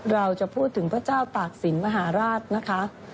เราจะพูดถึงพระเจ้าตากศิลป์มหาราชนะคะ